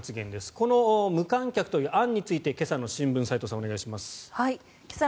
この無観客という案について今朝の新聞、斎藤さん